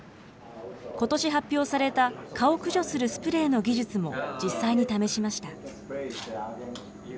ことし発表された蚊を駆除するスプレーの技術も実際に試しました。